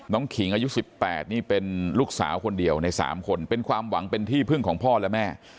ขิงอายุ๑๘นี่เป็นลูกสาวคนเดียวใน๓คนเป็นความหวังเป็นที่พึ่งของพ่อและแม่